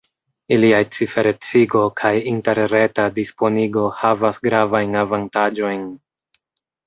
Iliaj ciferecigo kaj interreta disponigo havas gravajn avantaĝojn.